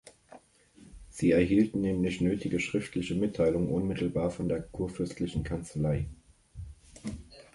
Sie erhielten nämlich nötige schriftliche Mitteilungen unmittelbar von der kurfürstlichen Kanzlei.